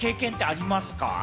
あります。